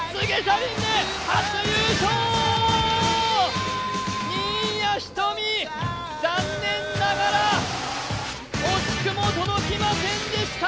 新谷仁美、残念ながら惜しくも届きませんでした。